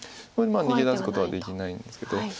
これ逃げ出すことはできないんですけど。